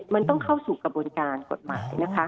มันต้องเข้าสู่กระบวนการกฎหมายนะคะ